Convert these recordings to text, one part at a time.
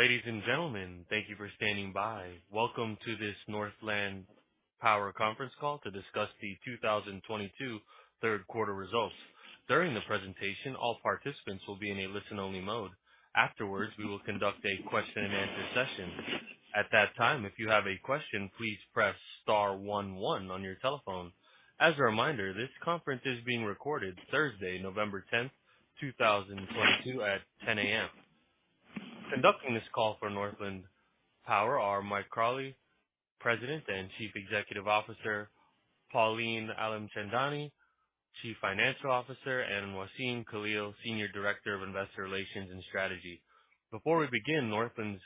Ladies and gentlemen, thank you for standing by. Welcome to this Northland Power conference call to discuss the 2022 third quarter results. During the presentation, all participants will be in a listen-only mode. Afterwards, we will conduct a question-and-answer session. At that time, if you have a question, please press star one one on your telephone. As a reminder, this conference is being recorded Thursday, November 10, 2022, at 10 A.M. Conducting this call for Northland Power are Mike Crawley, President and Chief Executive Officer, Pauline Alimchandani, Chief Financial Officer, and Wassem Khalil, Senior Director of Investor Relations and Strategy. Before we begin, Northland's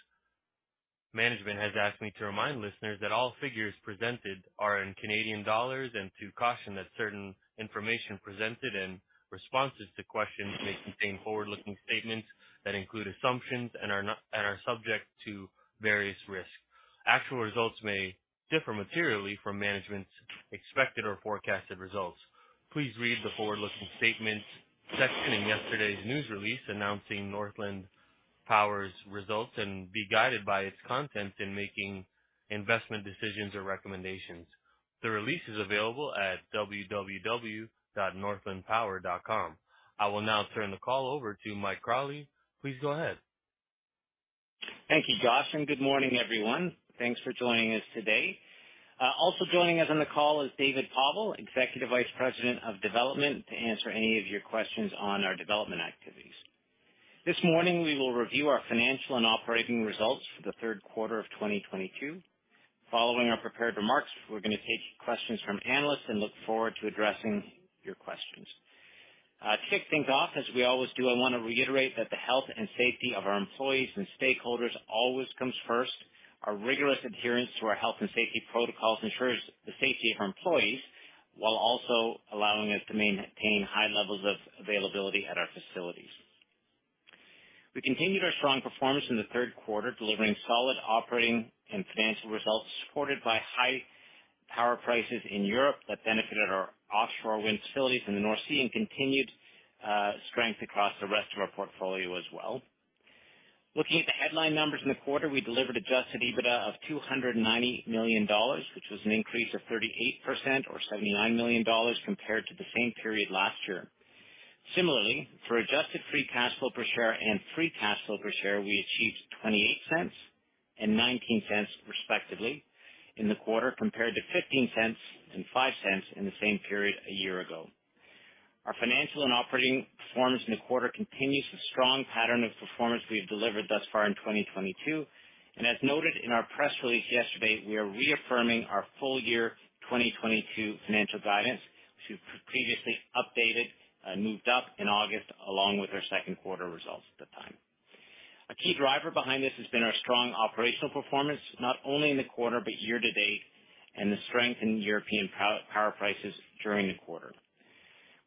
management has asked me to remind listeners that all figures presented are in Canadian dollars and to caution that certain information presented and responses to questions may contain forward-looking statements that include assumptions and are not and are subject to various risks. Actual results may differ materially from management's expected or forecasted results. Please read the forward-looking statements section in yesterday's news release announcing Northland Power's results and be guided by its contents in making investment decisions or recommendations. The release is available at www.northlandpower.com. I will now turn the call over to Mike Crawley. Please go ahead. Thank you, Josh, and good morning, everyone. Thanks for joining us today. Also joining us on the call is David Povall, Executive Vice President of Development, to answer any of your questions on our development activities. This morning, we will review our financial and operating results for the third quarter of 2022. Following our prepared remarks, we're gonna take questions from analysts and look forward to addressing your questions. To kick things off, as we always do, I wanna reiterate that the health and safety of our employees and stakeholders always comes first. Our rigorous adherence to our health and safety protocols ensures the safety of our employees while also allowing us to maintain high levels of availability at our facilities. We continued our strong performance in the third quarter, delivering solid operating and financial results supported by high power prices in Europe that benefited our offshore wind facilities in the North Sea and continued strength across the rest of our portfolio as well. Looking at the headline numbers in the quarter, we delivered adjusted EBITDA of 290 million dollars, which was an increase of 38% or 79 million dollars compared to the same period last year. Similarly, for adjusted free cash flow per share and free cash flow per share, we achieved 0.28 and 0.19, respectively, in the quarter, compared to 0.15 and 0.05 in the same period a year ago. Our financial and operating performance in the quarter continues the strong pattern of performance we have delivered thus far in 2022, and as noted in our press release yesterday, we are reaffirming our full year 2022 financial guidance to previously updated, moved up in August along with our second quarter results at the time. A key driver behind this has been our strong operational performance, not only in the quarter but year to date, and the strength in European power prices during the quarter.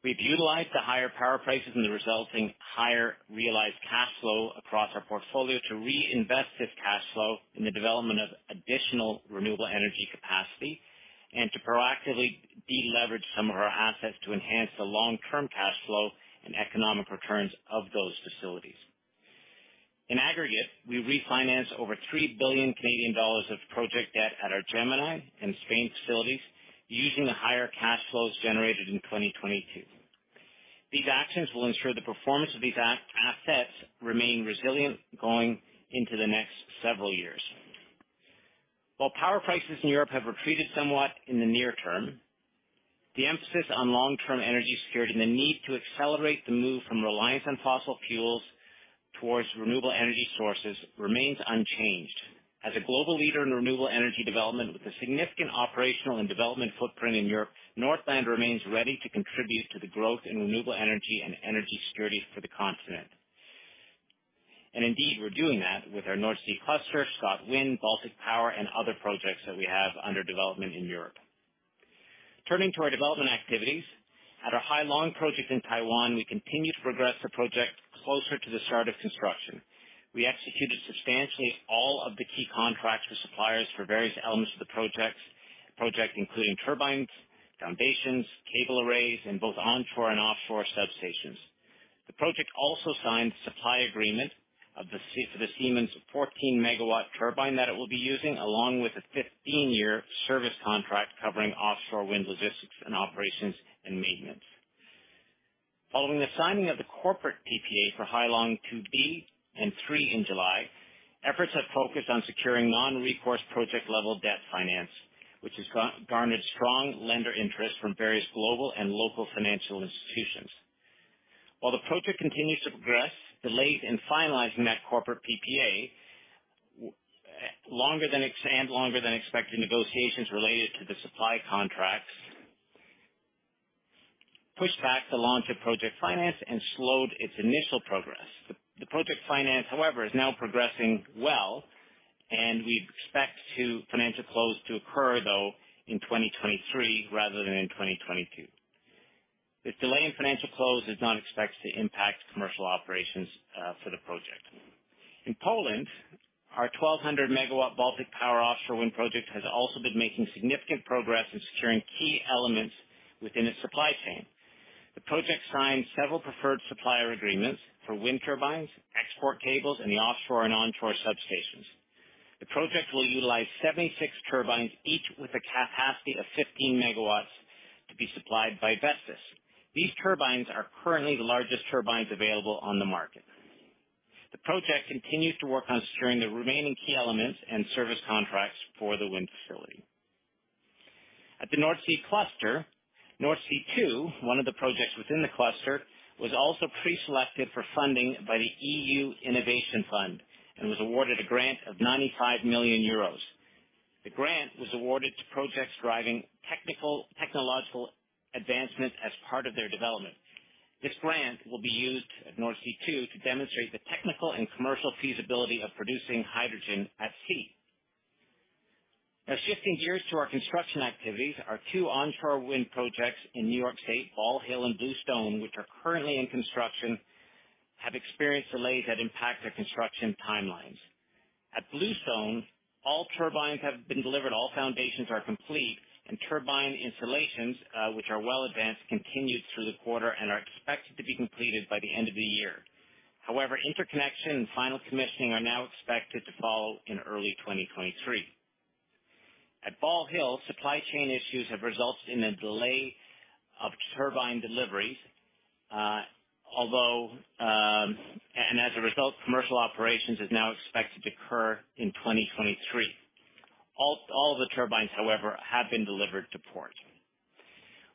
We've utilized the higher power prices and the resulting higher realized cash flow across our portfolio to reinvest this cash flow in the development of additional renewable energy capacity and to proactively de-leverage some of our assets to enhance the long-term cash flow and economic returns of those facilities. In aggregate, we refinanced over 3 billion Canadian dollars of project debt at our Gemini and Spain facilities using the higher cash flows generated in 2022. These actions will ensure the performance of these assets remain resilient going into the next several years. While power prices in Europe have retreated somewhat in the near term, the emphasis on long-term energy security and the need to accelerate the move from reliance on fossil fuels towards renewable energy sources remains unchanged. As a global leader in renewable energy development with a significant operational and development footprint in Europe, Northland remains ready to contribute to the growth in renewable energy and energy security for the continent. Indeed, we're doing that with our North Sea Cluster, ScotWind, Baltic Power, and other projects that we have under development in Europe. Turning to our development activities, at our Hai Long project in Taiwan, we continue to progress the project closer to the start of construction. We executed substantially all of the key contracts with suppliers for various elements of the project including turbines, foundations, cable arrays, and both onshore and offshore substations. The project also signed a supply agreement for the Siemens Gamesa 14-MW turbine that it will be using, along with a 15-year service contract covering offshore wind logistics and operations and maintenance. Following the signing of the corporate PPA for Hai Long 2B and 3 in July, efforts have focused on securing non-recourse project level debt financing, which has garnered strong lender interest from various global and local financial institutions. While the project continues to progress, delayed in finalizing that corporate PPA and longer than expected negotiations related to the supply contracts pushed back the launch of project finance and slowed its initial progress. The project finance, however, is now progressing well, and we expect financial close to occur, though, in 2023 rather than in 2022. This delay in financial close is not expected to impact commercial operations for the project. In Poland, our 1,200-MW Baltic Power offshore wind project has also been making significant progress in securing key elements within its supply chain. The project signed several preferred supplier agreements for wind turbines, export cables, and the offshore and onshore substations. The project will utilize 76 turbines, each with a capacity of 15 MW, to be supplied by Vestas. These turbines are currently the largest turbines available on the market. The project continues to work on securing the remaining key elements and service contracts for the wind facility. At the North Sea cluster, North Sea Two, one of the projects within the cluster, was also pre-selected for funding by the EU Innovation Fund and was awarded a grant of 95 million euros. The grant was awarded to projects driving technical, technological advancement as part of their development. This grant will be used at North Sea Two to demonstrate the technical and commercial feasibility of producing hydrogen at sea. Now shifting gears to our construction activities. Our two onshore wind projects in New York State, Ball Hill and Bluestone, which are currently in construction, have experienced delays that impact their construction timelines. At Bluestone, all turbines have been delivered, all foundations are complete, and turbine installations, which are well advanced, continued through the quarter and are expected to be completed by the end of the year. However, interconnection and final commissioning are now expected to follow in early 2023. At Ball Hill, supply chain issues have resulted in a delay of turbine deliveries. As a result, commercial operations is now expected to occur in 2023. All of the turbines, however, have been delivered to port.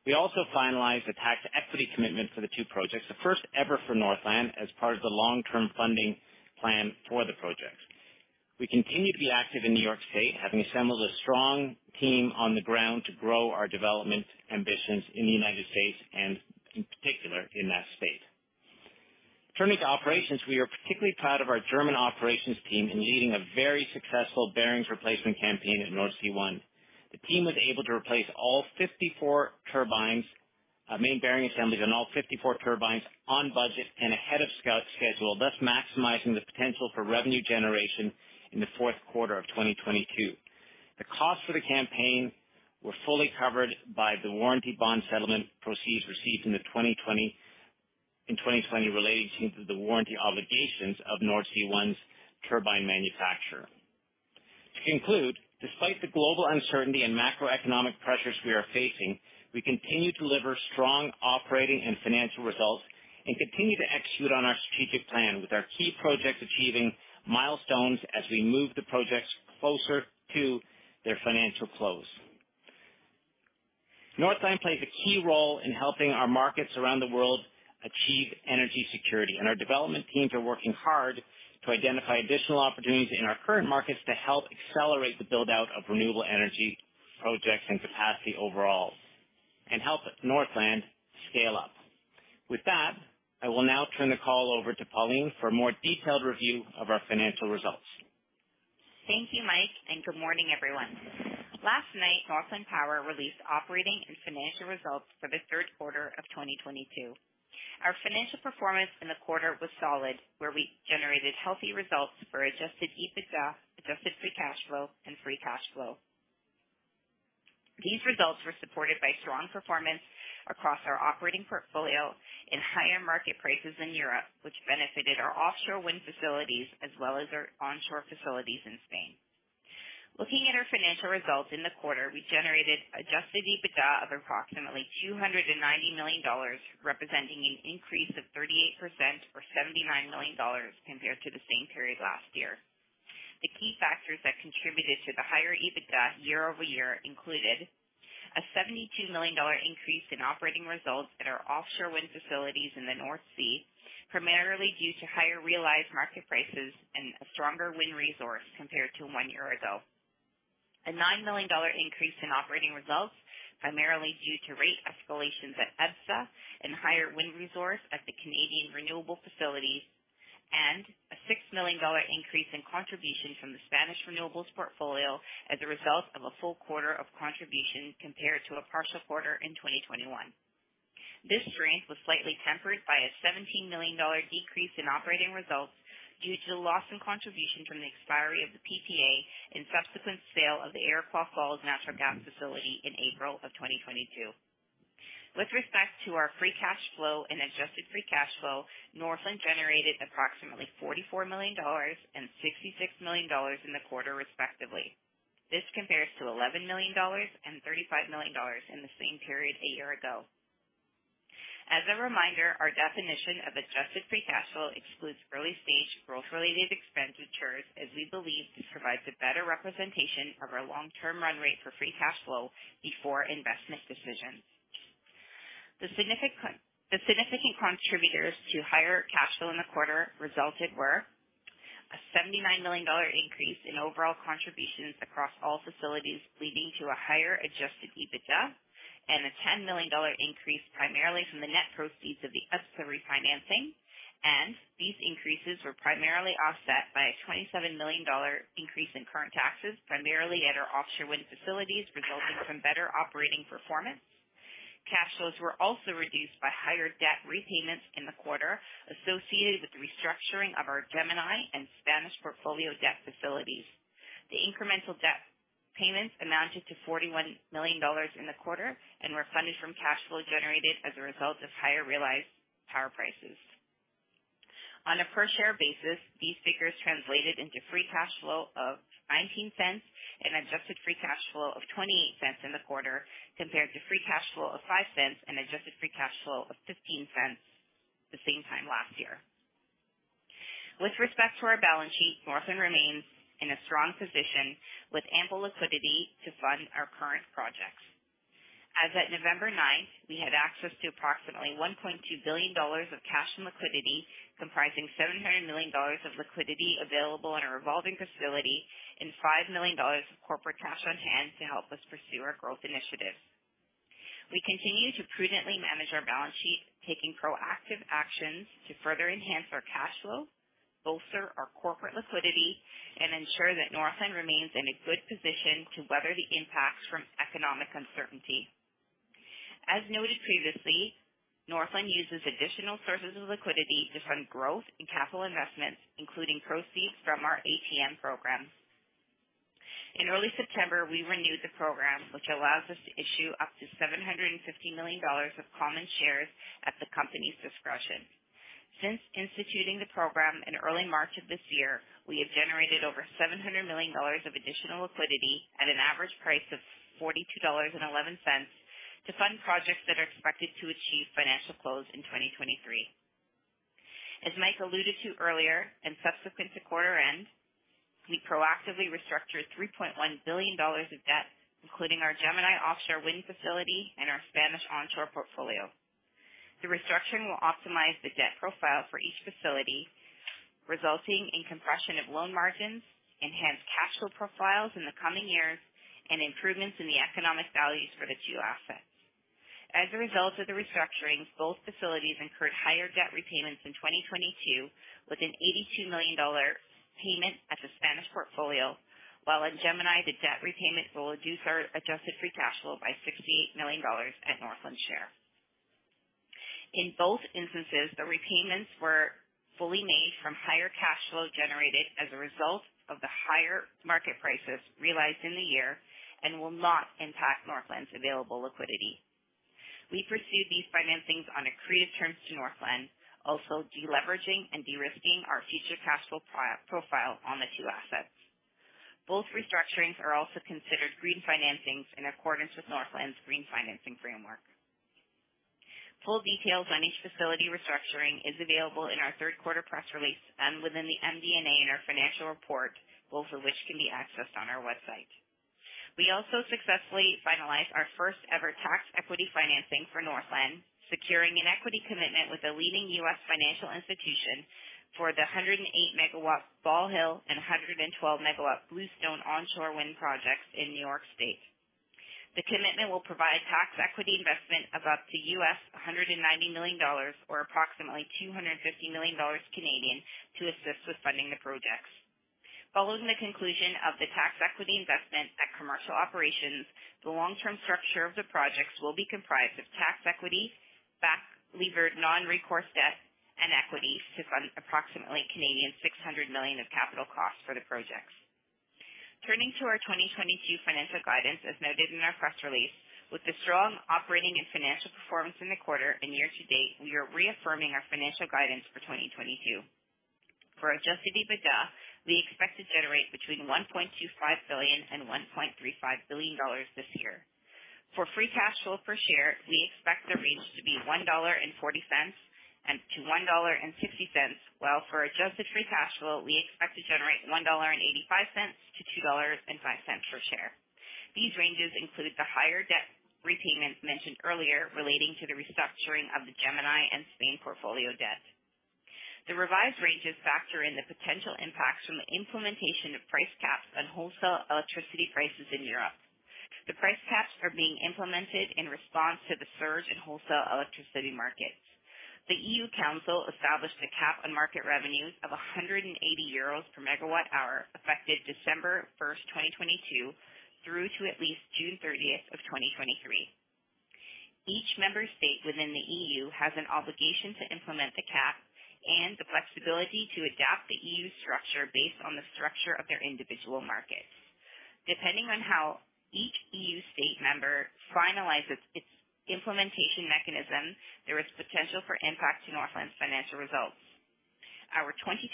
We also finalized a tax equity commitment for the two projects, the first ever for Northland as part of the long-term funding plan for the projects. We continue to be active in New York State, having assembled a strong team on the ground to grow our development ambitions in the United States and in particular in that state. Turning to operations, we are particularly proud of our German operations team in leading a very successful bearings replacement campaign at North Sea One. The team was able to replace all 54 turbines, main bearing assemblies on all 54 turbines on budget and ahead of schedule, thus maximizing the potential for revenue generation in the fourth quarter of 2022. The cost for the campaign were fully covered by the warranty bond settlement proceeds received in 2020 relating to the warranty obligations of North Sea One's turbine manufacturer. To conclude, despite the global uncertainty and macroeconomic pressures we are facing, we continue to deliver strong operating and financial results and continue to execute on our strategic plan with our key projects achieving milestones as we move the projects closer to their financial close. Northland plays a key role in helping our markets around the world achieve energy security, and our development teams are working hard to identify additional opportunities in our current markets to help accelerate the build-out of renewable energy projects and capacity overall and help Northland scale up. With that, I will now turn the call over to Pauline for a more detailed review of our financial results. Thank you, Mike, and good morning, everyone. Last night, Northland Power released operating and financial results for the third quarter of 2022. Our financial performance in the quarter was solid, where we generated healthy results for adjusted EBITDA, adjusted free cash flow, and free cash flow. These results were supported by strong performance across our operating portfolio in higher market prices in Europe, which benefited our offshore wind facilities as well as our onshore facilities in Spain. Looking at our financial results in the quarter, we generated adjusted EBITDA of approximately 290 million dollars, representing an increase of 38% or 79 million dollars compared to the same period last year. The key factors that contributed to the higher EBITDA year-over-year included a 72 million dollar increase in operating results at our offshore wind facilities in the North Sea, primarily due to higher realized market prices and a stronger wind resource compared to one year ago. A 9 million dollar increase in operating results, primarily due to rate escalations at EBSA and higher wind resource at the Canadian renewable facility. A 6 million dollar increase in contribution from the Spanish renewables portfolio as a result of a full quarter of contribution compared to a partial quarter in 2021. This strength was slightly tempered by a 17 million dollar decrease in operating results due to the loss in contribution from the expiry of the PPA and subsequent sale of the Iroquois Falls Natural Gas facility in April of 2022. With respect to our free cash flow and adjusted free cash flow, Northland generated approximately 44 million dollars and 66 million dollars in the quarter, respectively. This compares to 11 million dollars and 35 million dollars in the same period a year ago. As a reminder, our definition of adjusted free cash flow excludes early stage growth-related expenditures, as we believe this provides a better representation of our long-term run rate for free cash flow before investment decisions. The significant contributors to higher cash flow in the quarter were a 79 million dollar increase in overall contributions across all facilities, leading to a higher adjusted EBITDA and a 10 million dollar increase primarily from the net proceeds of the EBSA refinancing. These increases were primarily offset by a 27 million dollar increase in current taxes, primarily at our offshore wind facilities, resulting from better operating performance. Cash flows were also reduced by higher debt repayments in the quarter associated with the restructuring of our Gemini and Spanish portfolio debt facilities. The incremental debt payments amounted to 41 million dollars in the quarter and were funded from cash flow generated as a result of higher realized power prices. On a per share basis, these figures translated into free cash flow of 0.19 and adjusted free cash flow of 0.28 in the quarter, compared to free cash flow of 0.05 and adjusted free cash flow of 0.15 the same time last year. With respect to our balance sheet, Northland remains in a strong position with ample liquidity to fund our current projects. As at November ninth, we had access to approximately 1.2 billion dollars of cash and liquidity, comprising 700 million dollars of liquidity available in a revolving facility and 5 million dollars of corporate cash on hand to help us pursue our growth initiatives. We continue to prudently manage our balance sheet, taking proactive actions to further enhance our cash flow, bolster our corporate liquidity, and ensure that Northland Power remains in a good position to weather the impacts from economic uncertainty. As noted previously, Northland Power uses additional sources of liquidity to fund growth and capital investments, including proceeds from our ATM program. In early September, we renewed the program, which allows us to issue up to 750 million dollars of common shares at the company's discretion. Since instituting the program in early March of this year, we have generated over 700 million dollars of additional liquidity at an average price of 42.11 dollars to fund projects that are expected to achieve financial close in 2023. As Mike alluded to earlier, and subsequent to quarter end, we proactively restructured 3.1 billion dollars of debt, including our Gemini offshore wind facility and our Spanish onshore portfolio. The restructuring will optimize the debt profile for each facility, resulting in compression of loan margins, enhanced cash flow profiles in the coming years, and improvements in the economic values for the two assets. As a result of the restructuring, both facilities incurred higher debt repayments in 2022, with an $82 million payment at the Spanish portfolio, while at Gemini, the debt repayment will reduce our adjusted free cash flow by $68 million at Northland's share. In both instances, the repayments were fully made from higher cash flow generated as a result of the higher market prices realized in the year and will not impact Northland's available liquidity. We pursue these financings on accretive terms to Northland, also de-leveraging and de-risking our future cash flow profile on the two assets. Both restructurings are also considered green financings in accordance with Northland's green financing framework. Full details on each facility restructuring is available in our third quarter press release and within the MD&A in our financial report, both of which can be accessed on our website. We also successfully finalized our first-ever tax equity financing for Northland, securing an equity commitment with a leading U.S. financial institution for the 108-MW Ball Hill and 112-MW Bluestone onshore wind projects in New York State. The commitment will provide tax equity investment of up to $190 million or approximately CAD $250 million, to assist with funding the projects. Following the conclusion of the tax equity investment at commercial operations, the long-term structure of the projects will be comprised of tax equity, back-levered non-recourse debt, and equity to fund approximately CAD $600 million of capital costs for the projects. Turning to our 2022 financial guidance. As noted in our press release, with the strong operating and financial performance in the quarter and year to date, we are reaffirming our financial guidance for 2022. For adjusted EBITDA, we expect to generate between 1.25 billion and 1.35 billion dollars this year. For free cash flow per share, we expect the range to be 1.40 dollar to 1.60 dollar, while for adjusted free cash flow, we expect to generate 1.85-2.05 dollar per share. These ranges include the higher debt repayments mentioned earlier relating to the restructuring of the Gemini and Spain portfolio debt. The revised ranges factor in the potential impacts from the implementation of price caps on wholesale electricity prices in Europe. The price caps are being implemented in response to the surge in wholesale electricity markets. The EU Council established a cap on market revenues of 180 euros per megawatt hour, effective December 1, 2022, through to at least June 30, 2023. Each member state within the EU has an obligation to implement the cap and the flexibility to adapt the EU structure based on the structure of their individual markets. Depending on how each EU member state finalizes its implementation mechanism, there is potential for impact to Northland's financial results. Our 2022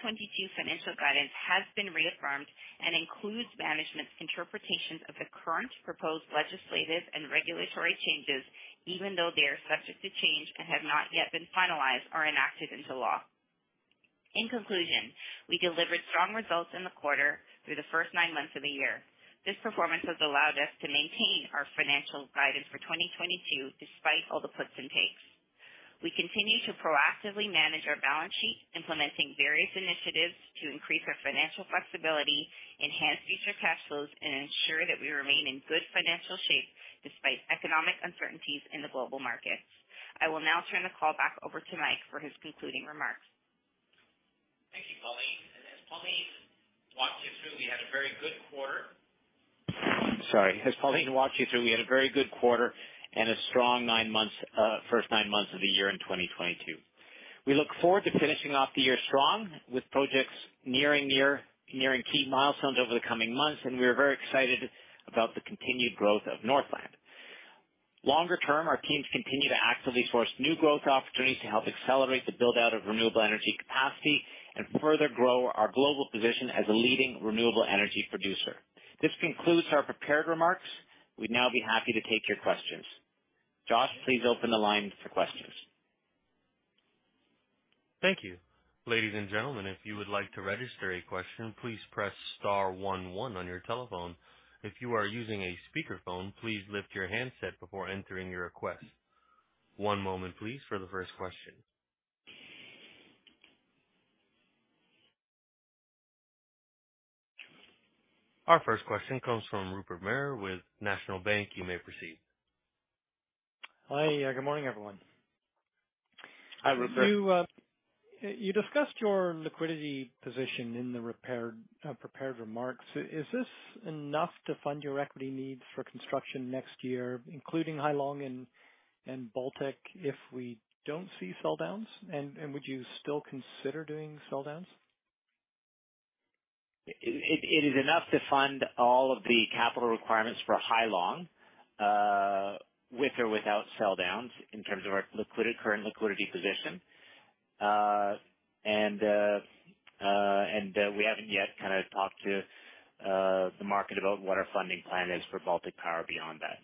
financial guidance has been reaffirmed and includes management's interpretations of the current proposed legislative and regulatory changes, even though they are subject to change and have not yet been finalized or enacted into law. In conclusion, we delivered strong results in the quarter through the first nine months of the year. This performance has allowed us to maintain our financial guidance for 2022, despite all the puts and takes. We continue to proactively manage our balance sheet, implementing various initiatives to increase our financial flexibility, enhance future cash flows, and ensure that we remain in good financial shape despite economic uncertainties in the global markets. I will now turn the call back over to Mike for his concluding remarks. Thank you, Pauline. As Pauline walked you through, we had a very good quarter and a strong nine months, first nine months of the year in 2022. We look forward to finishing off the year strong with projects nearing key milestones over the coming months, and we are very excited about the continued growth of Northland. Longer term, our teams continue to actively source new growth opportunities to help accelerate the build-out of renewable energy capacity and further grow our global position as a leading renewable energy producer. This concludes our prepared remarks. We'd now be happy to take your questions. Josh, please open the line for questions. Thank you. Ladies and gentlemen, if you would like to register a question, please press star one one on your telephone. If you are using a speakerphone, please lift your handset before entering your request. One moment please for the first question. Our first question comes from Rupert Merer with National Bank. You may proceed. Hi. Good morning, everyone. Hi, Rupert. You discussed your liquidity position in the prepared remarks. Is this enough to fund your equity needs for construction next year, including Hai Long and Baltic, if we don't see sell downs? Would you still consider doing sell downs? It is enough to fund all of the capital requirements for Hai Long, with or without sell downs in terms of our liquidity, current liquidity position. We haven't yet kind of talked to the market about what our funding plan is for Baltic Power beyond that.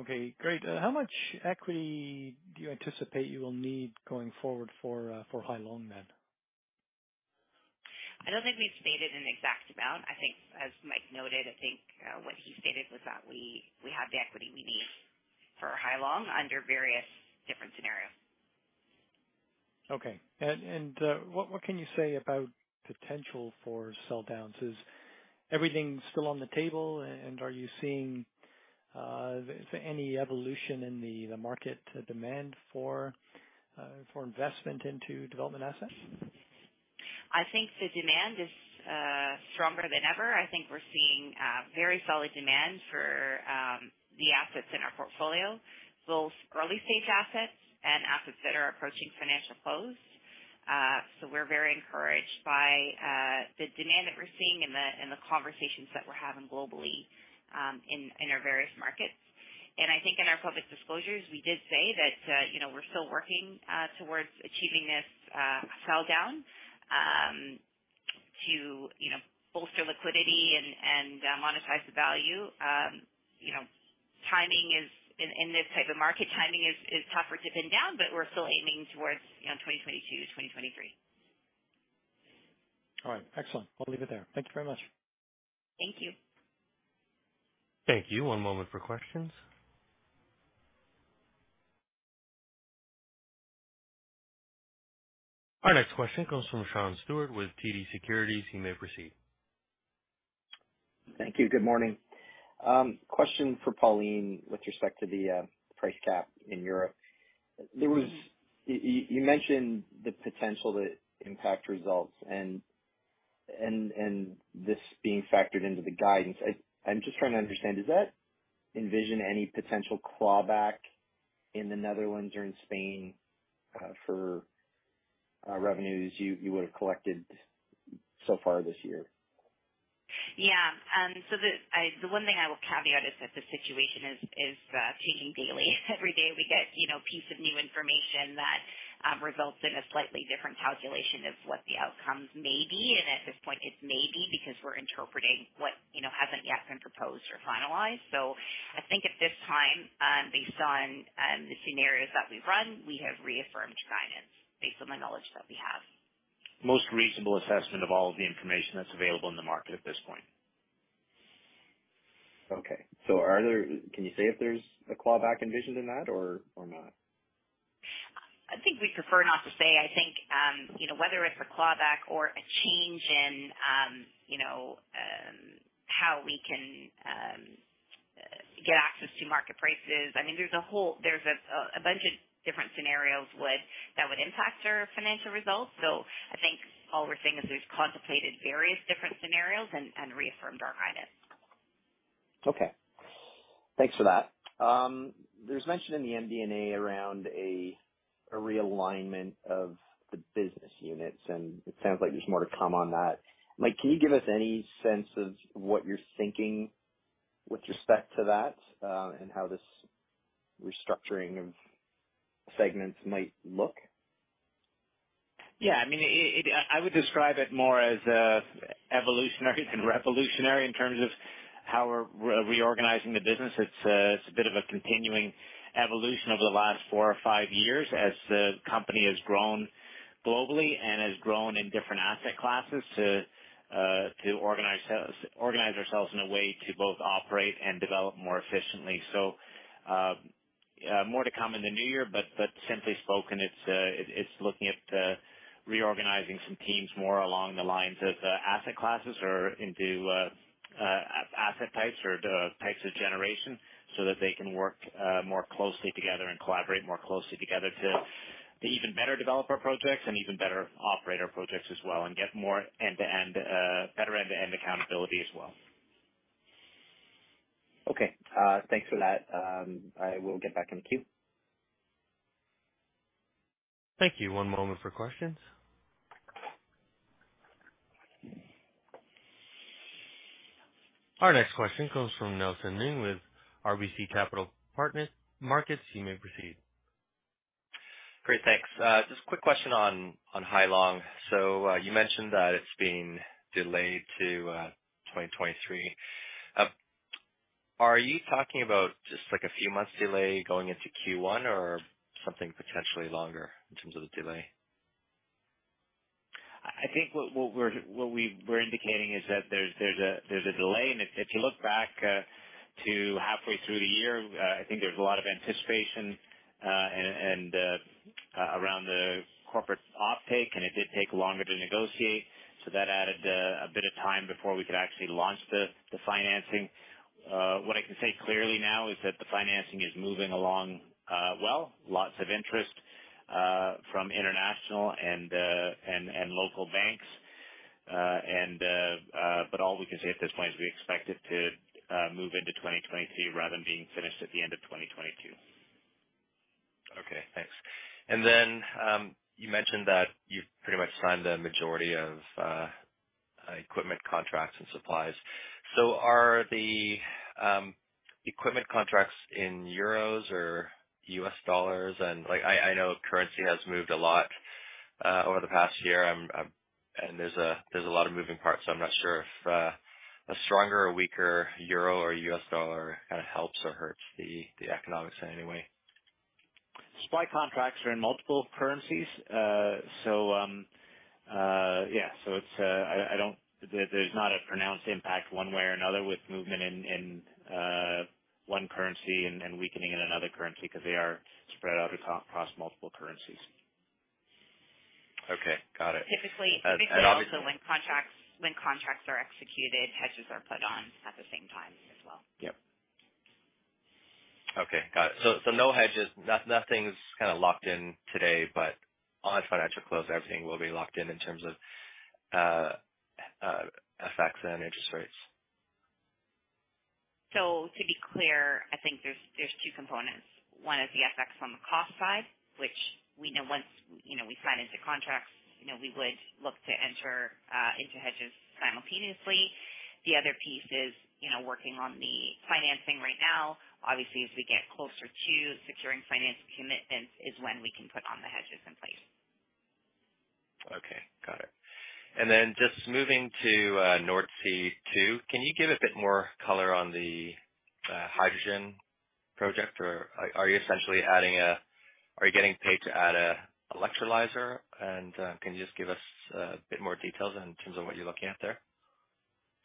Okay, great. How much equity do you anticipate you will need going forward for Hai Long then? I don't think we've stated an exact amount. I think, as Mike noted, I think, what he stated was that we have the equity we need for Hai Long under various different scenarios. Okay. What can you say about potential for sell-downs? Is everything still on the table? Are you seeing any evolution in the market demand for investment into development assets? I think the demand is stronger than ever. I think we're seeing very solid demand for the assets in our portfolio, both early-stage assets and assets that are approaching financial close. We're very encouraged by the demand that we're seeing and the conversations that we're having globally in our various markets. I think in our public disclosures, we did say that you know, we're still working towards achieving this sell down to you know, bolster liquidity and monetize the value. You know, timing is in this type of market, timing is tougher to pin down, but we're still aiming towards you know, 2022-2023. All right. Excellent. I'll leave it there. Thank you very much. Thank you. Thank you. One moment for questions. Our next question comes from Sean Steuart with TD Securities. You may proceed. Thank you. Good morning. Question for Pauline with respect to the price cap in Europe. There was- You mentioned the potential to impact results and this being factored into the guidance. I'm just trying to understand, does that envision any potential clawback in the Netherlands or in Spain, for revenues you would have collected so far this year? Yeah. The one thing I will caveat is that the situation is changing daily. Every day we get, you know, a piece of new information that results in a slightly different calculation of what the outcomes may be. At this point, it's maybe because we're interpreting what, you know, hasn't yet been proposed or finalized. I think at this time, based on the scenarios that we've run, we have reaffirmed guidance based on the knowledge that we have. Most reasonable assessment of all of the information that's available in the market at this point. Can you say if there's a clawback envisioned in that or not? I think we'd prefer not to say. I think, you know, whether it's a clawback or a change in, you know, how we can get access to market prices. I mean, there's a bunch of different scenarios that would impact our financial results. I think all we're saying is we've contemplated various different scenarios and reaffirmed our guidance. Okay. Thanks for that. There's mention in the MD&A around a realignment of the business units, and it sounds like there's more to come on that. Mike, can you give us any sense of what you're thinking with respect to that, and how this restructuring of segments might look? I mean, I would describe it more as evolutionary than revolutionary in terms of how we're reorganizing the business. It's a bit of a continuing evolution over the last four or five years as the company has grown globally and has grown in different asset classes to organize ourselves in a way to both operate and develop more efficiently. More to come in the new year, but simply spoken, it's looking at reorganizing some teams more along the lines of asset classes or into asset types or the types of generation so that they can work more closely together and collaborate more closely together to even better develop our projects and even better operate our projects as well, and get more end-to-end better end-to-end accountability as well. Okay. Thanks for that. I will get back in the queue. Thank you. One moment for questions. Our next question comes from Nelson Ng with RBC Capital Markets. You may proceed. Great, thanks. Just a quick question on Hai Long. You mentioned that it's been delayed to 2023. Are you talking about just like a few months delay going into Q1 or something potentially longer in terms of the delay? I think what we were indicating is that there's a delay, and if you look back to halfway through the year, I think there's a lot of anticipation around the corporate offtake, and it did take longer to negotiate. That added a bit of time before we could actually launch the financing. What I can say clearly now is that the financing is moving along well, lots of interest from international and local banks. All we can say at this point is we expect it to move into 2023 rather than being finished at the end of 2022. Okay, thanks. You mentioned that you've pretty much signed the majority of equipment contracts and supplies. Are the equipment contracts in euros or U.S. dollars? Like, I know currency has moved a lot over the past year. There's a lot of moving parts, so I'm not sure if a stronger or weaker euro or U.S. dollar kind of helps or hurts the economics in any way. Supply contracts are in multiple currencies. There's not a pronounced impact one way or another with movement in one currency and weakening in another currency because they are spread out across multiple currencies. Okay. Got it. Typically- And, and also- Typically when contracts are executed, hedges are put on at the same time as well. Yep. Okay, got it. No hedges. Nothing's kind of locked in today, but on financial close, everything will be locked in terms of hedges and interest rates. To be clear, I think there's two components. One is the effects on the cost side, which we know once, you know, we sign into contracts, you know, we would look to enter into hedges simultaneously. The other piece is, you know, working on the financing right now. Obviously, as we get closer to securing financing commitments is when we can put on the hedges in place. Okay, got it. Just moving to North Sea Two. Can you give a bit more color on the hydrogen project? Or are you essentially adding a electrolyzer? Are you getting paid to add a electrolyzer? Can you just give us a bit more details in terms of what you're looking at there?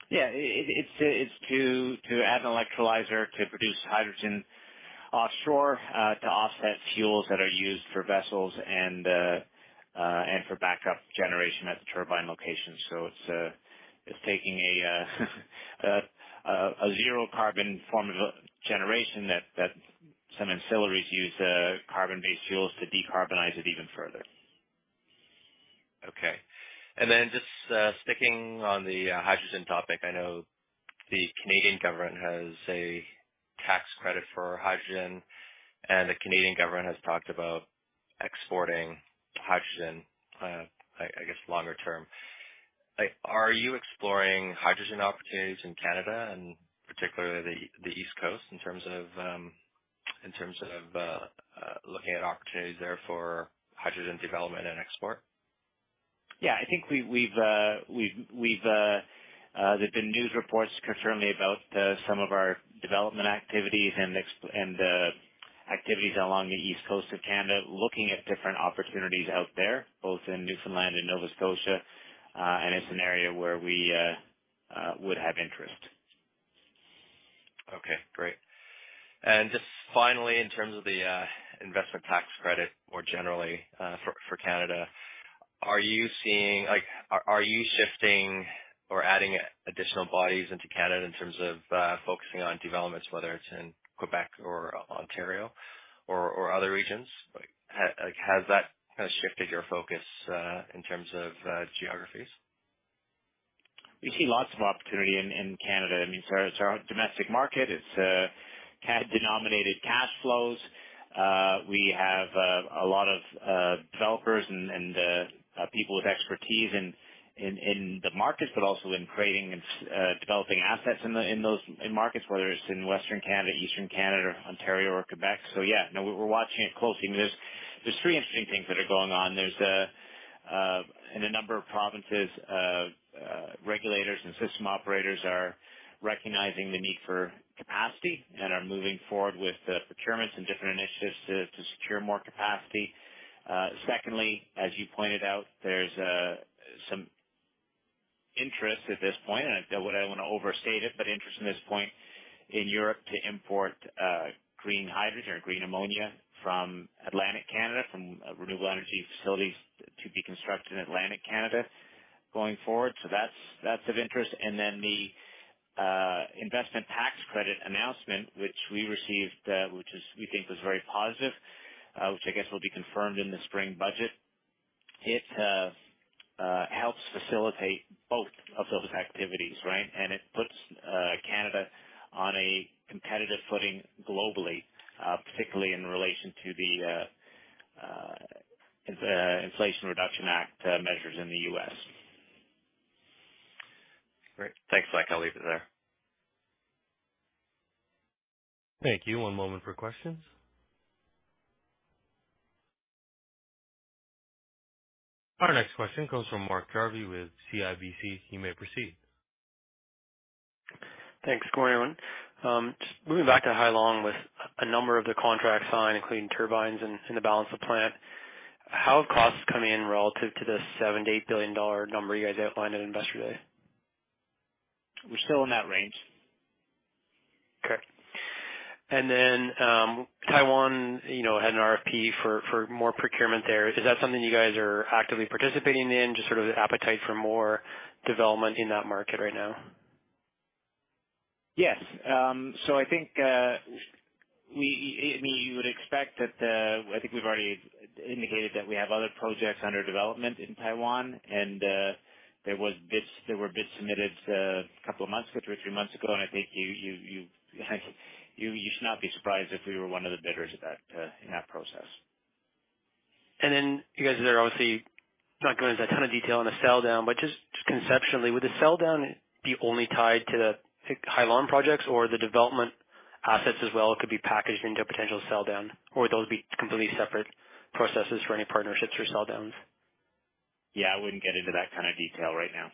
It's to add an electrolyzer to produce hydrogen offshore, to offset fuels that are used for vessels and for backup generation at the turbine location. It's taking a zero carbon form of generation that some ancillaries use carbon-based fuels to decarbonize it even further. Okay. Just sticking on the hydrogen topic, I know the Canadian government has a tax credit for hydrogen, and the Canadian government has talked about exporting hydrogen, I guess longer term. Like, are you exploring hydrogen opportunities in Canada and particularly the East Coast in terms of looking at opportunities there for hydrogen development and export? Yeah, I think there've been news reports confirming about some of our development activities and activities along the east coast of Canada, looking at different opportunities out there, both in Newfoundland and Nova Scotia. It's an area where we would have interest. Okay, great. Just finally, in terms of the investment tax credit more generally, for Canada, are you seeing like are you shifting or adding additional bodies into Canada in terms of focusing on developments, whether it's in Quebec or Ontario or other regions? Like, has that kind of shifted your focus in terms of geographies? We see lots of opportunity in Canada. I mean, it's our own domestic market. It's CAD-denominated cash flows. We have a lot of developers and people with expertise in the markets, but also in creating and developing assets in those markets, whether it's in Western Canada, Eastern Canada, Ontario or Quebec. Yeah, no, we're watching it closely. I mean, there's three interesting things that are going on. In a number of provinces, regulators and system operators are recognizing the need for capacity and are moving forward with procurements and different initiatives to secure more capacity. Secondly, as you pointed out, there's some interest at this point, and I don't wanna overstate it, but interest at this point in Europe to import green hydrogen or green ammonia from Atlantic Canada, from renewable energy facilities to be constructed in Atlantic Canada going forward. That's of interest. Then the investment tax credit announcement, which we received, which we think was very positive, which I guess will be confirmed in the spring budget. It helps facilitate both of those activities, right? It puts Canada on a competitive footing globally, particularly in relation to the Inflation Reduction Act measures in the US. Great. Thanks, Mike. I'll leave it there. Thank you. One moment for questions. Our next question comes from Mark Jarvi with CIBC. You may proceed. Thanks. Good morning, everyone. Just moving back to Hai Long with a number of the contracts signed, including turbines and the balance of plant. How have costs come in relative to the 7-8 billion dollar number you guys outlined at Investor Day? We're still in that range. Okay. Taiwan, you know, had an RFP for more procurement there. Is that something you guys are actively participating in, just sort of the appetite for more development in that market right now? Yes. I think I mean you would expect that. I think we've already indicated that we have other projects under development in Taiwan, and there were bids submitted a couple of months ago, two or three months ago, and I think you should not be surprised if we were one of the bidders of that in that process. Then you guys are obviously not going into a ton of detail on the sell down, but just conceptually, would the sell down be only tied to the Hai Long projects or the development assets as well could be packaged into a potential sell down? Or would those be completely separate processes for any partnerships or sell downs? Yeah, I wouldn't get into that kind of detail right now.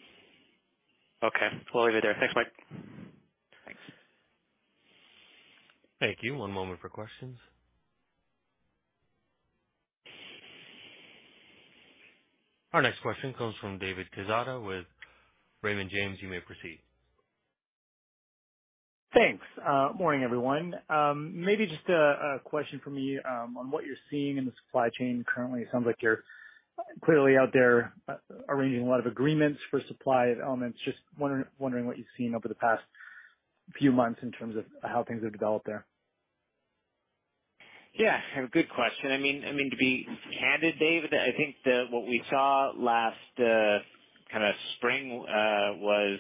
Okay. We'll leave it there. Thanks, Mike. Thanks. Thank you. One moment for questions. Our next question comes from David Quezada with Raymond James. You may proceed. Thanks. Morning, everyone. Maybe just a question from me on what you're seeing in the supply chain currently. It sounds like you're clearly out there arranging a lot of agreements for supply of elements. Just wondering what you've seen over the past few months in terms of how things have developed there. Yeah. Good question. I mean, to be candid, David, I think that what we saw last kinda spring was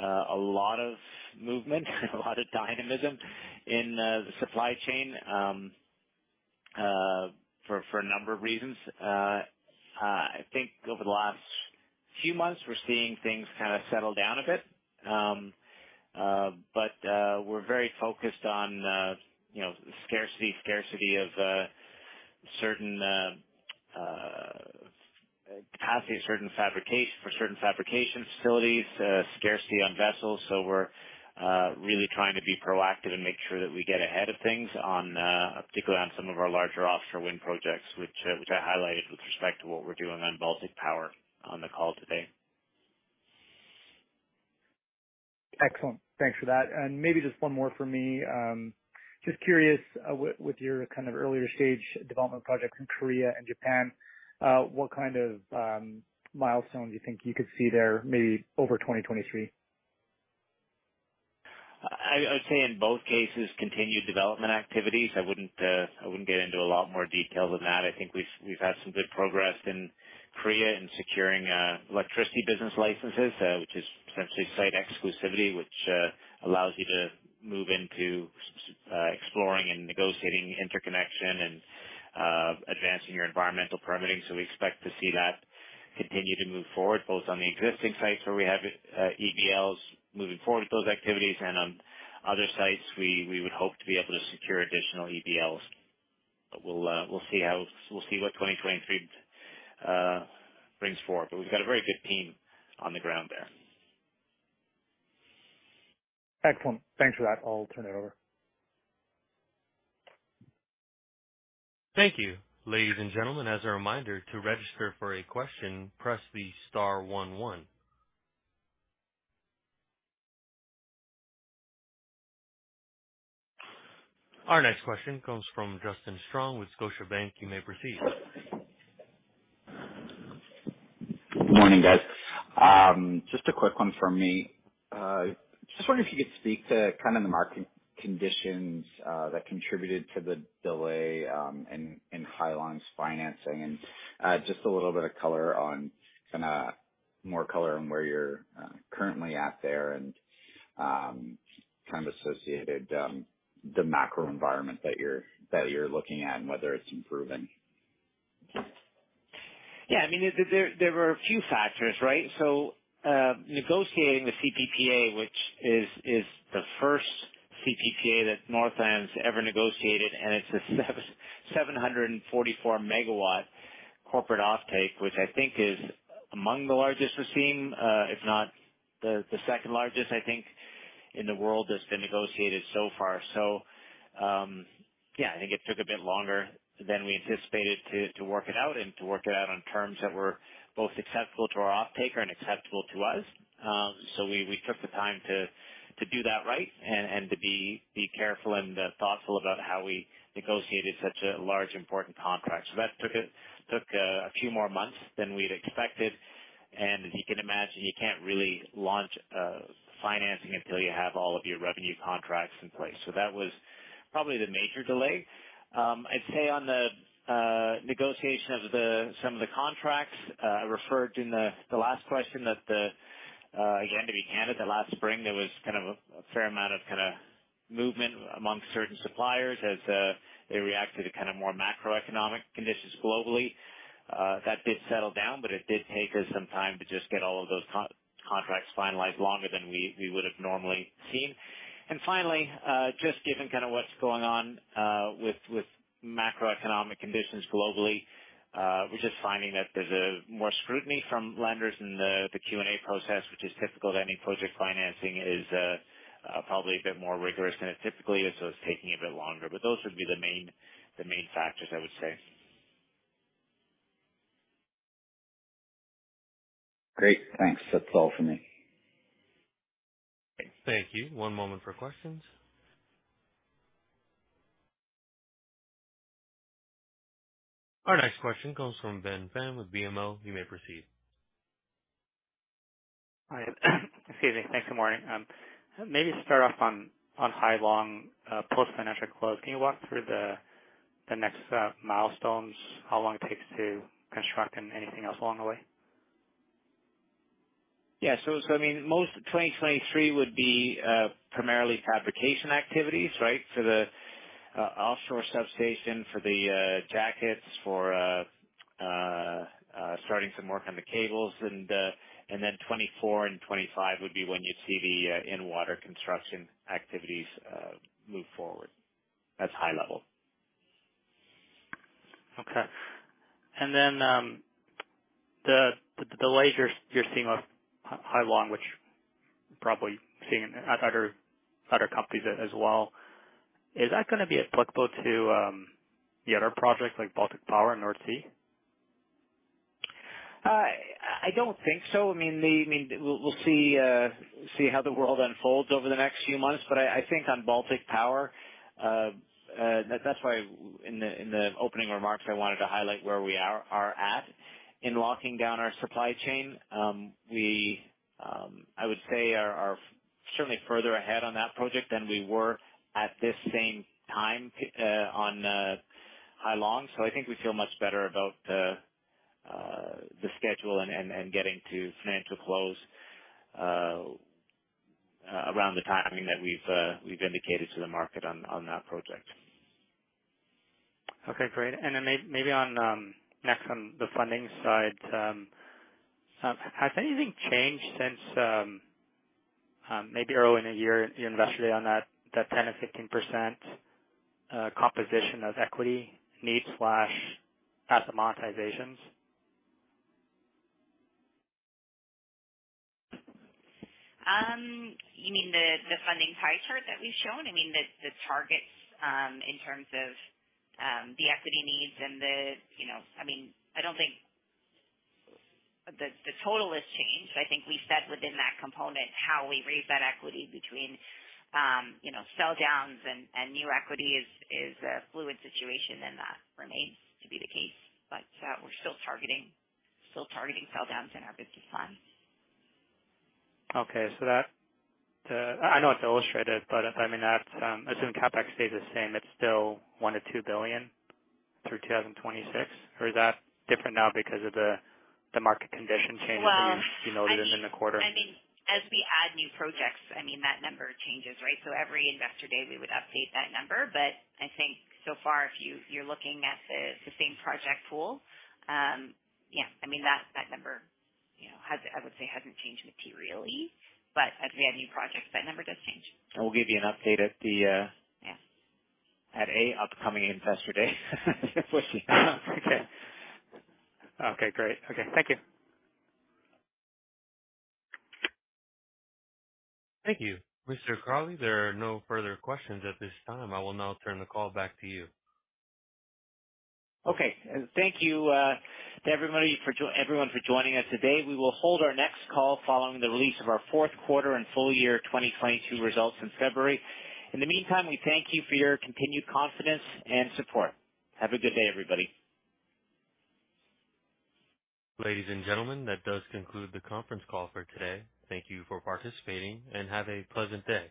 a lot of movement, a lot of dynamism in the supply chain for a number of reasons. I think over the last few months, we're seeing things kinda settle down a bit. But we're very focused on, you know, scarcity of certain capacity of certain fabrication facilities, scarcity on vessels. We're really trying to be proactive and make sure that we get ahead of things on, particularly on some of our larger offshore wind projects, which I highlighted with respect to what we're doing on Baltic Power on the call today. Excellent. Thanks for that. Maybe just one more from me. Just curious, with your kind of earlier stage development projects in Korea and Japan, what kind of milestones you think you could see there maybe over 2023? I would say in both cases, continued development activities. I wouldn't get into a lot more detail than that. I think we've had some good progress in Korea in securing Electricity Business Licenses, which is essentially site exclusivity, which allows you to move into exploring and negotiating interconnection and advancing your environmental permitting. We expect to see that continue to move forward, both on the existing sites where we have EBLs moving forward with those activities and on other sites, we would hope to be able to secure additional EBLs. We'll see how. We'll see what 2023 brings forward. We've got a very good team on the ground there. Excellent. Thanks for that. I'll turn it over. Thank you. Ladies and gentlemen, as a reminder, to register for a question, press the star one one. Our next question comes from Justin Strong with Scotiabank. You may proceed. Morning, guys. Just a quick one from me. Just wondering if you could speak to kind of the market conditions that contributed to the delay in Hai Long's financing and just a little bit of color on kinda more color on where you're currently at there and kind of associated the macro environment that you're looking at and whether it's improving. Yeah, I mean, there were a few factors, right? Negotiating the CPPA, which is the first CPPA that Northland's ever negotiated, and it's a 744 MW corporate offtake, which I think is among the largest we've seen, if not the second largest, I think, in the world that's been negotiated so far. Yeah, I think it took a bit longer than we anticipated to work it out on terms that were both successful to our offtaker and acceptable to us. We took the time to do that right and to be careful and thoughtful about how we negotiated such a large important contract. That took a few more months than we'd expected. As you can imagine, you can't really launch financing until you have all of your revenue contracts in place. That was probably the major delay. I'd say on the negotiation of some of the contracts, I referred in the last question that again, to be candid, that last spring there was kind of a fair amount of kinda movement amongst certain suppliers as they reacted to kind of more macroeconomic conditions globally. That did settle down, but it did take us some time to just get all of those contracts finalized longer than we would have normally seen. Finally, just given kind of what's going on with macroeconomic conditions globally, we're just finding that there's more scrutiny from lenders in the Q&A process, which is typical of any project financing. It is probably a bit more rigorous than it typically is, so it's taking a bit longer. Those would be the main factors I would say. Great. Thanks. That's all for me. Thank you. One moment for questions. Our next question comes from Ben Pham with BMO. You may proceed. Hi. Excuse me. Thanks. Good morning. Maybe start off on Hai Long post financial close. Can you walk through the next milestones, how long it takes to construct and anything else along the way? Yeah. I mean, most of 2023 would be primarily fabrication activities, right? For the offshore substation, for the jackets, for starting some work on the cables and then 2024 and 2025 would be when you see the in-water construction activities move forward. That's high level. The delays you're seeing on Hai Long, which you're probably seeing at other companies as well, is that gonna be applicable to the other projects like Baltic Power and North Sea? I don't think so. I mean, we'll see how the world unfolds over the next few months. I think on Baltic Power, that's why in the opening remarks I wanted to highlight where we are at in locking down our supply chain. We, I would say, are certainly further ahead on that project than we were at this same time on Hai Long. I think we feel much better about the schedule and getting to financial close around the timing that we've indicated to the market on that project. Okay, great. Maybe on next on the funding side, has anything changed since maybe early in the year, your Investor Day on that 10%-15% composition of equity needs slash asset monetizations? You mean the funding pie chart that we've shown? I mean the targets in terms of the equity needs and, you know. I mean, I don't think the total has changed. I think we said within that component how we raise that equity between sell downs and new equity is a fluid situation and that remains to be the case. We're still targeting sell downs in our busy funds. Okay. I know it's illustrated, but I mean that, assuming CapEx stays the same, that's still 1 billion-2 billion through 2026, or is that different now because of the market condition changes? Well- You noted in the quarter. I mean, as we add new projects, I mean that number changes, right? Every Investor Day we would update that number. I think so far if you're looking at the same project pool, yeah, I mean, that number, you know, I would say hasn't changed materially, but as we add new projects, that number does change. We'll give you an update at the. Yeah at an upcoming Investor Day. Okay. Okay, great. Okay, thank you. Thank you. Mr. Crawley, there are no further questions at this time. I will now turn the call back to you. Okay. Thank you to everybody for everyone for joining us today. We will hold our next call following the release of our fourth quarter and full year 2022 results in February. In the meantime, we thank you for your continued confidence and support. Have a good day, everybody. Ladies and gentlemen, that does conclude the conference call for today. Thank you for participating, and have a pleasant day.